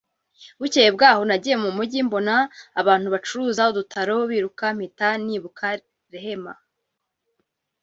“Bukeye bwaho nagiye mu mujyi mbona abantu bacuruza udutaro biruka mpita nibuka Rehema